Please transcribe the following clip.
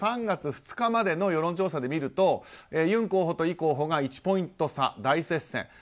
３月２日までの世論調査を見るとユン候補とイ候補が１ポイント差、大接戦。